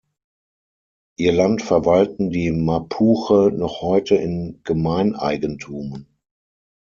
Ihr Land verwalten die Mapuche noch heute in Gemeineigentum.